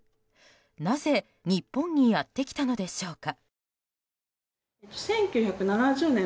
なぜ日本にやってきたのでしょうか。